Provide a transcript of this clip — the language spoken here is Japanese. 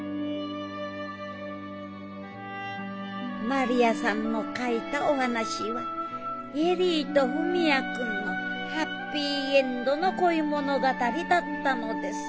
真里亜さんの書いたお話は恵里と文也君のハッピーエンドの恋物語だったのです。